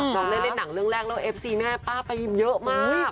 น้องเล่นหนังเรื่องแรกแล้วเอฟซีแม่ป้าไปเยอะมาก